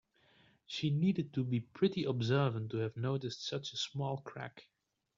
She needed to be pretty observant to have noticed such a small crack.